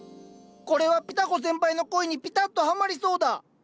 これはピタ子先輩の恋にピタッとはまりそうだ。